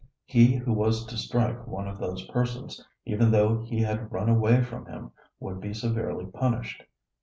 He who was to strike one of those persons, even though he had run away from him, would be severely punished.